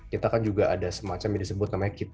kita kan juga ada semacam yang disebut namanya kit